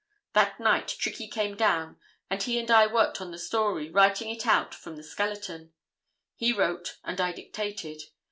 That night Trickey came down and he and I worked on the story, writing it out from the skeleton. He wrote and I dictated.